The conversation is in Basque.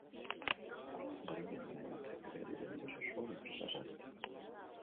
Urdangarinen anai batek ere dirua jaso zuen enpresa-saretik.